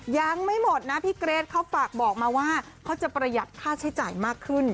ยังไม่หมดนะพี่เกรทเขาฝากบอกมาว่าเขาจะประหยัดค่าใช้จ่ายมากขึ้น